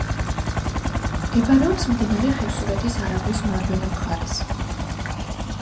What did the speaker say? მდებარეობს მდინარე ხევსურეთის არაგვის მარჯვენა მხარეს.